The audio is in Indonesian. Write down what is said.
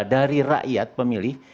dari rakyat pemilih